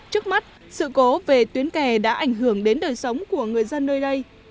trước mắt sự cố về tuyến kè đã ảnh hưởng đến đời sống của người dân nơi đây